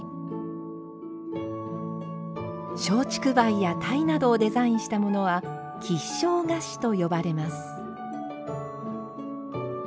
松竹梅や鯛などをデザインしたものは吉祥菓子と呼ばれます。